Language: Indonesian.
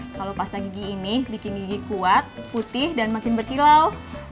kalau pasnya gigi ini bikin gigi kuat putih dan makin berkilau